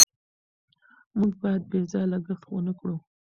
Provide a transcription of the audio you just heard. موږ باید بې ځایه لګښت ونکړو.